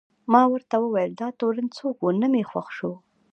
ما ورته وویل: دا تورن څوک و؟ نه مې خوښ شو.